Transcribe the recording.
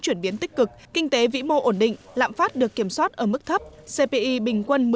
chuyển biến tích cực kinh tế vĩ mô ổn định lạm phát được kiểm soát ở mức thấp cpi bình quân